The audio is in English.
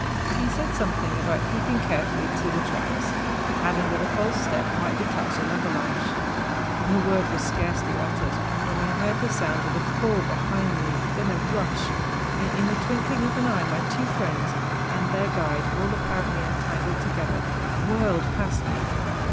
He said something about keeping carefully to the tracks, adding that a false step might detach an avalanche. The word was scarcely uttered when I heard the sound of a fall behind me, then a rush, and in the twinkling of an eye my two friends and their guide—all apparently entangled together, whirled past me.